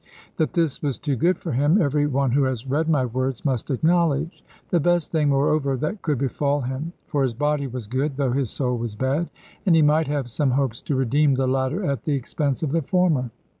That this was too good for him, every one who has read my words must acknowledge; the best thing, moreover, that could befall him; for his body was good, though his soul was bad; and he might have some hopes to redeem the latter at the expense of the former.